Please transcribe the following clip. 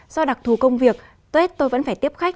do đặc thù công việc tuyết tôi vẫn phải tiếp khách